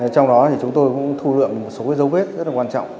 trong đó thì chúng tôi cũng thu lượng một số dấu vết rất là quan trọng